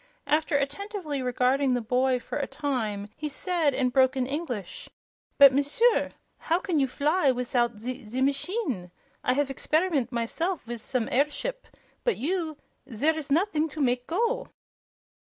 After attentively regarding the boy for a time he said, in broken English: "But, M'sieur, how can you fly wizout ze ze machine? I have experiment myself wiz some air ship; but you zere is nossing to make go!"